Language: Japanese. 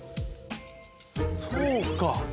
そうか！